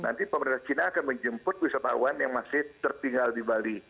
nanti pemerintah china akan menjemput wisatawan yang masih tertinggal di bali